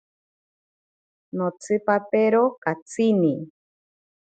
Notsipaperori katsini.